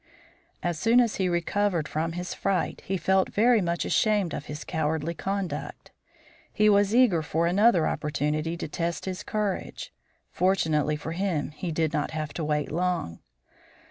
As soon as he recovered from his fright he felt very much ashamed of his cowardly conduct. He was eager for another opportunity to test his courage. Fortunately for him he did not have to wait long.